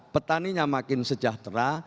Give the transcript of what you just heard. petaninya makin sejahtera